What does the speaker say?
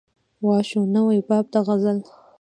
وا شو نوی باب د غزل